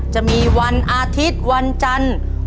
จะมีวันอาทิตย์วันจันทร์